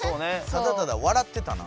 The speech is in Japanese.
ただただ笑ってたな。